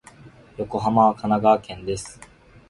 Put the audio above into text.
横浜は神奈川県です。